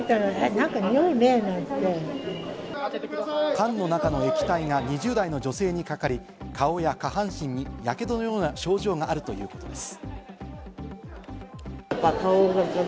缶の中の液体が２０代の女性にかかり、顔や下半身にやけどのような症状があるということです。